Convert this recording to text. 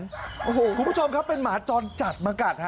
ใครเลยครับผู้ชมครับเป็นหมาจอลจัดมากัดฮะ